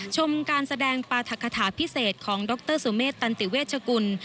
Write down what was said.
ชมการแสดงปราธกคาถาพิเศษของดรสุเมษตันติเวชกุล